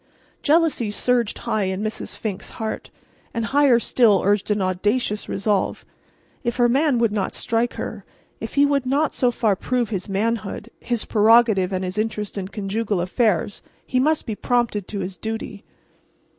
Jealousy surged high in Mrs. Fink's heart, and higher still surged an audacious resolve. If her man would not strike her—if he would not so far prove his manhood, his prerogative and his interest in conjugal affairs, he must be prompted to his duty.